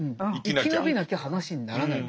生き延びなきゃ話にならない。